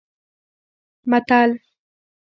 متل: